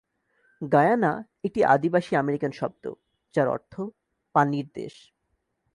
গায়ানা একটি আদিবাসী আমেরিকান শব্দ, যার অর্থ "পানির দেশ"।